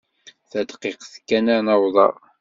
Tadqiqt kan ad n-awḍeɣ.